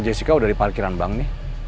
jessica udah di parkiran bank nih